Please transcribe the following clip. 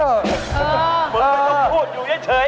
เออเออเบอร์ไม่ต้องพูดอยู่เฉย